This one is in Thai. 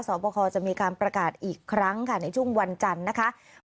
บคจะมีการประกาศอีกครั้งค่ะในช่วงวันจันทร์นะคะ